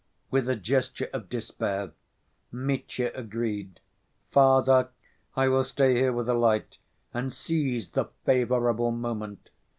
With a gesture of despair Mitya agreed. "Father, I will stay here with a light, and seize the favorable moment.